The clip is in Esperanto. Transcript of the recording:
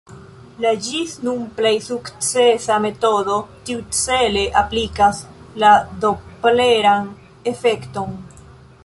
La ĝis nun plej sukcesa metodo tiucele aplikas la dopleran efekton.